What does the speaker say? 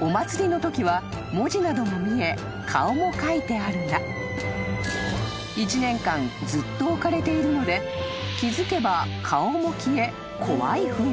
［お祭りのときは文字なども見え顔も描いてあるが１年間ずっと置かれているので気付けば顔も消え怖い雰囲気に］